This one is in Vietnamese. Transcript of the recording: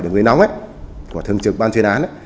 đường dưới nóng của thường trực ban chuyên án